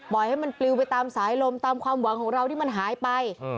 ให้มันปลิวไปตามสายลมตามความหวังของเราที่มันหายไป